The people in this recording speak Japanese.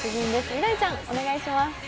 未来ちゃん、お願いします。